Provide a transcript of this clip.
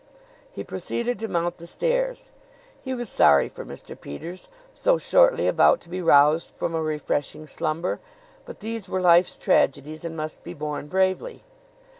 He proceeded to mount the stairs. He was sorry for Mr. Peters, so shortly about to be roused from a refreshing slumber; but these were life's tragedies and must be borne bravely.